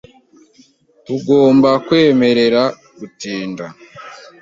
Tugomba kwemerera gutinda .